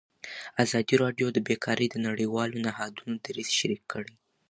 ازادي راډیو د بیکاري د نړیوالو نهادونو دریځ شریک کړی.